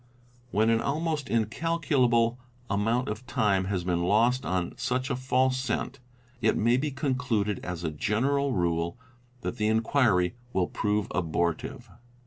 When an almost incalculable amount of time has been lost on such a false scent, it may be concluded as a general rule that the in quiry will prove abortive.